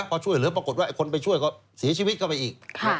พอช่วยเหลือปรากฏว่าคนไปช่วยก็เสียชีวิตเข้าไปอีก